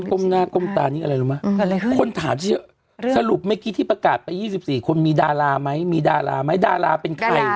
้มหน้าก้มตานี้อะไรรู้ไหมคนถามเยอะสรุปเมื่อกี้ที่ประกาศไป๒๔คนมีดาราไหมมีดาราไหมดาราเป็นใคร